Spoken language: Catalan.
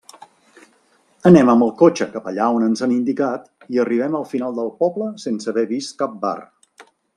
Anem amb el cotxe cap allà on ens han indicat i arribem al final del poble sense haver vist cap bar.